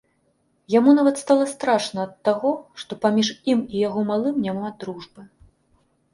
Яму нават стала страшна ад таго, што паміж ім і яго малым няма дружбы.